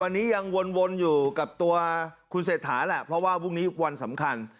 วันนี้ยังวนอยู่กับตัวคุณเศรษฐาแหละเพราะว่าพรุ่งนี้วันสำคัญ